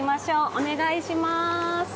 お願いします。